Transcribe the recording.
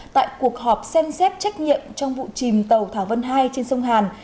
tại cuộc họp xem xét trách nhiệm trong vụ chìm tàu thảo vân hai trên sông hàn